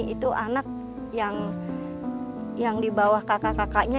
itu anak yang di bawah kakak kakaknya